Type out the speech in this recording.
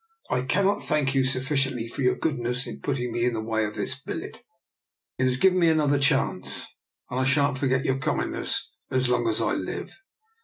" I cannot thank you sufficiently for your goodness in putting me in the way of this billet. It has given me another chance, and I shan't forget your kindness as long as I live."